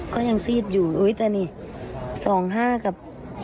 ก็ยังซีดอยู่อุ๊ยแต่นี่๒๕กับ